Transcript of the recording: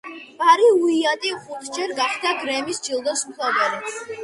ბარი უაიტი ხუთჯერ გადა გრემის ჯილდოს მფლობელი.